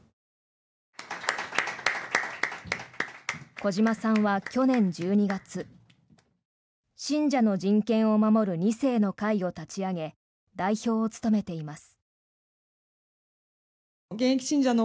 小嶌さんは去年１２月信者の人権を守る二世の会を立ち上げ代表を務めています。